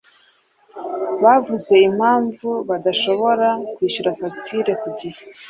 Bavuze impamvu badashobora kwishyura fagitire ku gihe?